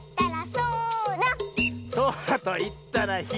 「そらといったらひろい！」